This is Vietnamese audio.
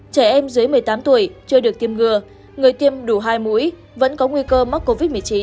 trẻ em dưới một mươi tám tuổi chưa được tiêm ngừa người tiêm đủ hai mũi vẫn có nguy cơ mắc covid một mươi chín